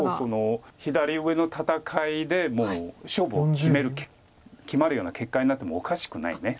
左上の戦いでもう勝負を決める決まるような結果になってもおかしくない。